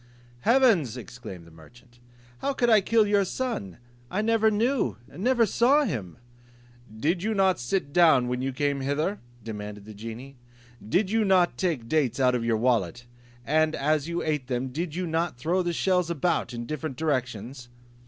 "Heavens," exclaimed the merchant, "how could I kill your son? I never knew, never saw him." "Did not you sit down when you came hither?" demanded the genie: "did you not take dates out of your wallet, and as you ate them, did not you throw the shells about in different directions?"